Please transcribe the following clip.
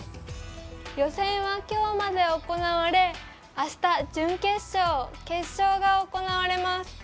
予選はきょうまで行われあした準決勝、決勝が行われます。